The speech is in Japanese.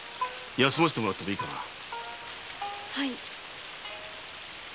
休ませてもらってもいいかな？